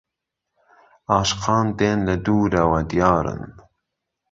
عاشقان دێن لە دوورەوە دیارن